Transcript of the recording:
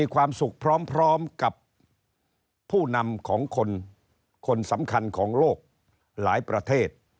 ความสุขพร้อมกับผู้นำของคนคนสำคัญของโลกหลายประเทศ